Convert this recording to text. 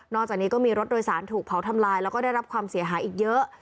จากนี้ก็มีรถโดยสารถูกเผาทำลายแล้วก็ได้รับความเสียหายอีกเยอะ